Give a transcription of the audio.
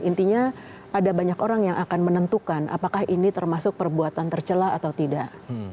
intinya ada banyak orang yang akan menentukan apakah ini termasuk perbuatan tercelah atau tidak